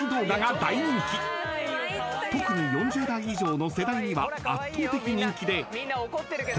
［特に４０代以上の世代には圧倒的人気で］